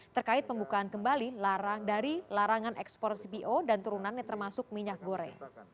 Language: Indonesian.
terkait pembukaan kembali dari larangan ekspor cpo dan turunannya termasuk minyak goreng